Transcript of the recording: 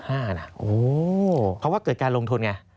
เพราะว่าเกิดการลงทุนไง